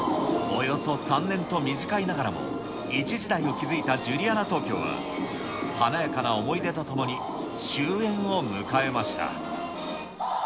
およそ３年と短いながらも、一時代を築いたジュリアナ東京は、華やかな思い出とともに、終えんを迎えました。